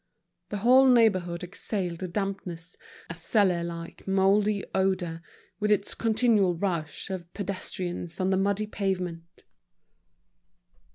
The whole neighborhood exhaled a dampness, a cellar like moldy odor, with its continual rush of pedestrians on the muddy pavement.